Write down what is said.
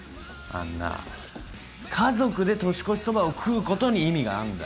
あんな家族で年越しそばを食うことに意味があんだよ。